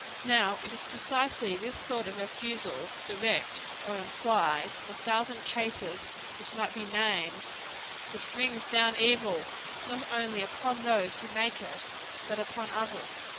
Now it is precisely this sort of refusal, direct or implied, in a thousand cases which might be named, which brings down evil, not only upon those who make it, but upon others.